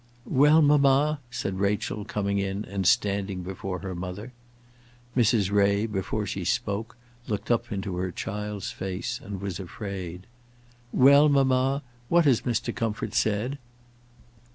"Well, mamma?" said Rachel, coming in and standing before her mother. Mrs. Ray, before she spoke, looked up into her child's face, and was afraid. "Well, mamma, what has Mr. Comfort said?"